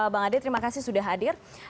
bang ade terima kasih sudah hadir